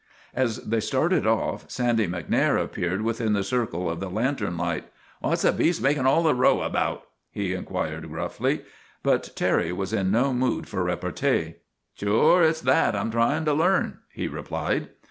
As they started off, Sandy MacNair appeared within the circle of the lantern light. " What 's the beast makin' all the row about ?" he inquired gruffly. But Terry was in no mood for repartee. ' Sure it 's that I 'm tryin' to learn," he replied.